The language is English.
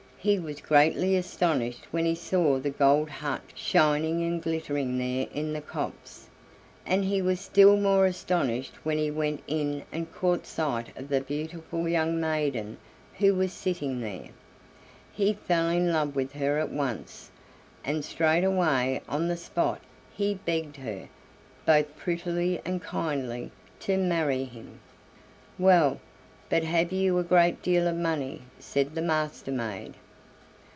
He was greatly astonished when he saw the gold hut shining and glittering there in the copse, and he was still more astonished when he went in and caught sight of the beautiful young maiden who was sitting there; he fell in love with her at once, and straightway on the spot he begged her, both prettily and kindly, to marry him. "Well, but have you a great deal of money?" said the Master maid.